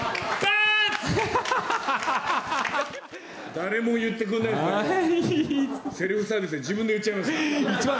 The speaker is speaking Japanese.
誰も言ってくれないから、セルフサービスで自分で言っちゃいました。